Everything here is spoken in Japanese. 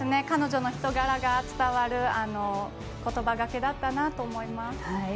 彼女の人柄が伝わる言葉がけだったなと思います。